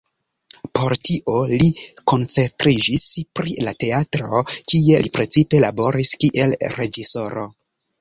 Por tio li koncentriĝis pri la teatro, kie li precipe laboris kiel reĝisoro.